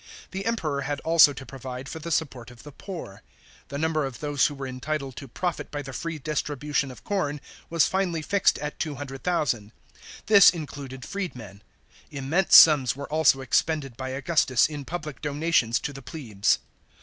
The Emperor had also to provide for the support of the poor. The number of those who were entitled to profit by the free distribution of corn was finally fixed at 200,000. This in cluded freedmen. Immense sums were also expended by Augustus in public donations to the plebs.